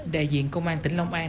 đại diện công an tỉnh long an